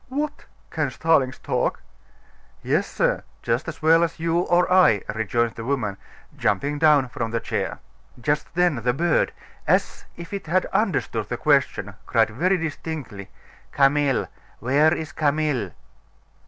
"What! can starlings talk?" "Yes, sir, as well as you or I," rejoined the woman, jumping down from the chair. Just then the bird, as if it had understood the question, cried very distinctly: "Camille! Where is Camille?"